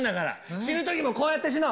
死ぬときもこうやって死のう。